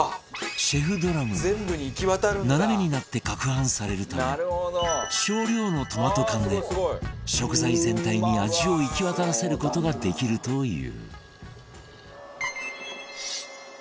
シェフドラムは斜めになって撹拌されるため少量のトマト缶で食材全体に味を行き渡らせる事ができるという